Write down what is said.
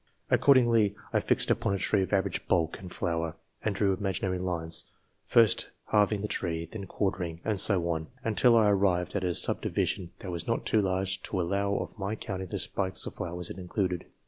Accordingly, I fixed upon a tree of average bulk and flower, and drew ima ginary lines first halving the tree, then quartering, and so on, until I arrived at a subdivision that was not too large to allow of my counting the spikes of flowers it included.